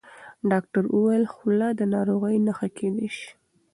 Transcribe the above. ډاکټر وویل خوله د ناروغۍ نښه کېدای شي.